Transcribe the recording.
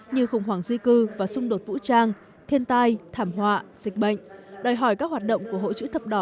như khủng hoảng di cư và xung đột vũ trang thiên tai thảm họa dịch bệnh đòi hỏi các hoạt động của hội chữ thập đỏ